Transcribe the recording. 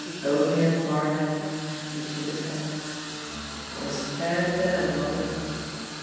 "Only at Barnet," he shook his head. "I was scared there, Mother."